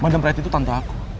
iya madam pratt itu tante aku